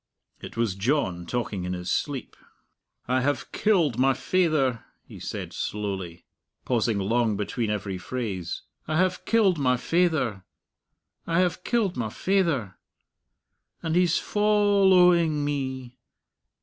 It was John talking in his sleep. "I have killed my faither," he said slowly, pausing long between every phrase "I have killed my faither ... I have killed my faither. And he's foll owing me